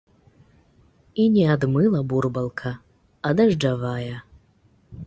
І не ад мыла бурбалка, а дажджавая.